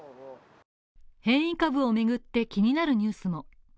変異株を巡って気になるニュースも。